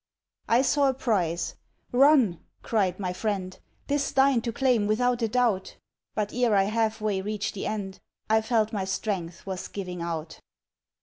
I saw a prize. "Run," cried my friend; "'Tis thine to claim without a doubt." But ere I half way reached the end, I felt my strength was giving out.